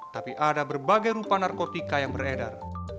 tapi ada berbagai rupa narkotika yang beredar